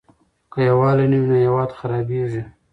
که يووالی نه وي نو هېواد خرابيږي.